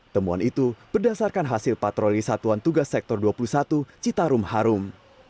temuan itu berdasarkan hasil patroli satuan tugas sektor dua puluh satu citarum harum